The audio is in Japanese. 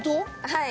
はい。